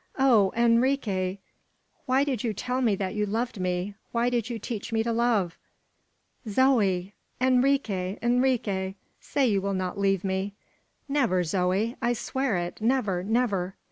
Oh! Enrique, why did you tell me that you loved me? Why did you teach me to love?" "Zoe!" "Enrique, Enrique! say you will not leave me!" "Never! Zoe! I swear it; never, never!"